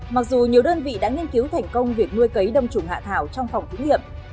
mặc dù nhiều đơn vị đã nghiên cứu thành công việc nuôi cấy đông trùng hạ thảo trong phòng thí nghiệm